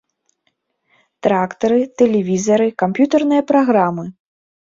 Трактары, тэлевізары, камп'ютэрныя праграмы.